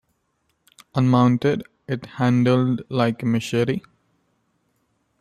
Unmounted, it handled like a machete.